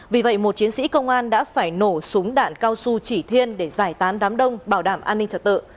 vì vậy một chiến sĩ công an đã phải nổ súng đạn cao su chỉ thiên để giải tán đám đông bảo đảm an ninh trật tự